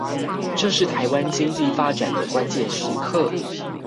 這是臺灣經濟發展的關鍵時刻